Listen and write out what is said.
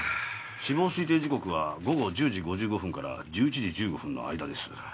死亡推定時刻は午後１０時５５分から１１時１５分の間です。